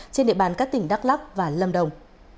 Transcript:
trên địa bàn các tỉnh đắk lắc và lâm đồng